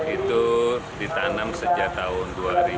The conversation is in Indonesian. itu ditanam sejak tahun dua ribu